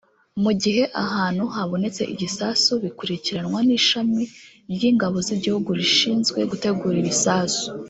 Mu gihe ahantu runaka habonetse igisasu bikurikiranwa n’ishami ry’ingabo z’igihugu rishinzwe gutegura ibisasu